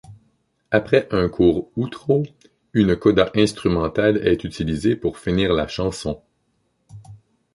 Après un court outro, une coda instrumentale est utilisée pour finir la chanson.